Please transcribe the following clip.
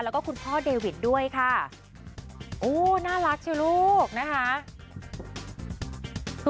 แล้วก็คุณพ่อเดวิดด้วยค่ะโอ้น่ารักสิลูกนะคะ